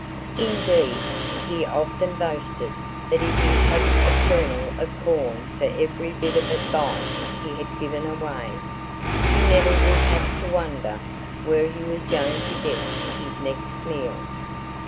Indeed, he often boasted that if he had a kernel of corn for every bit of advice he had given away, he never would have to wonder where he was going to get his next meal.